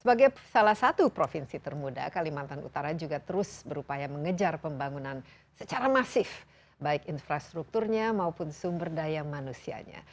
sebagai salah satu provinsi termuda kalimantan utara juga terus berupaya mengejar pembangunan secara masif baik infrastrukturnya maupun sumber daya manusianya